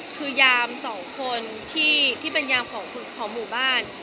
คือยามสองคนที่เป็นยามของหมู่บ้าน